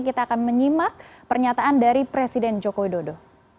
kita akan menyimak pernyataan dari presiden joko widodo